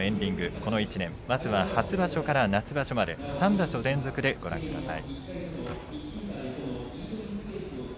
この１年まずは初場所から夏場所まで３場所連続でご覧ください。